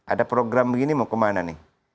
ada program begini mau kemana nih